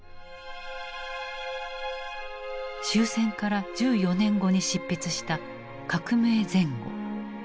終戦から１４年後に執筆した「革命前後」。